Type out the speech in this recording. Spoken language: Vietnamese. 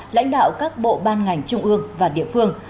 lãnh đạo các bộ ban ngành trung ương và địa phương